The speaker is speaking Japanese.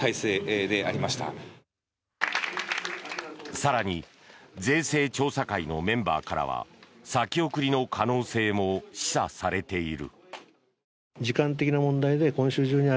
更に税制調査会のメンバーからは先送りの可能性も示唆されている。